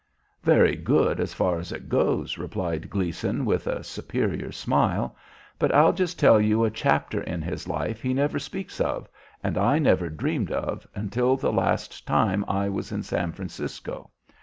"Very good as far as it goes," replied Gleason, with a superior smile; "but I'll just tell you a chapter in his life he never speaks of and I never dreamed of until the last time I was in San Francisco.